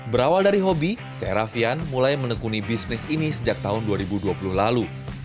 berawal dari hobi serafian mulai menekuni bisnis ini sejak tahun dua ribu dua puluh lalu